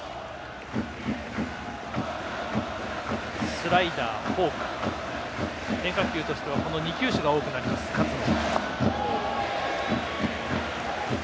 スライダー、フォーク変化球としてはこの２球種が多くなります勝野。